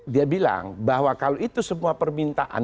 dia bilang bahwa kalau itu semua permintaan